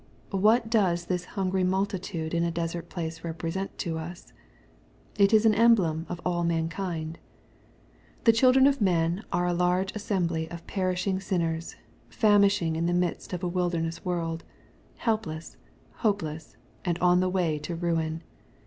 What does this hungry multitude in a desert place represent to us ? It is an emblem of all mankind. The children of men are a large assembly of perishing smners, famishing in the midst of a wilderness world, — helpless, hopeless, and on the way to ruin.